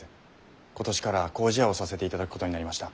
今年からは麹屋をさせていただくことになりました。